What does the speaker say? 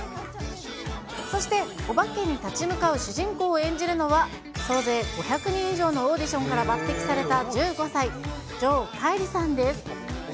そして、おばけに立ち向かう主人公を演じるのは、総勢５００人以上のオーディションから抜てきされた１５歳、城桧吏さんです。